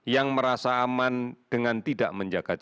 yang merasa aman dengan tidak menggunakan masker